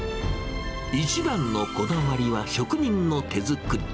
一番のこだわりは職人の手作り。